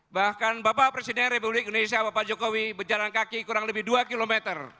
bahkan bapak presiden republik indonesia bapak jokowi berjalan kaki kurang lebih dua km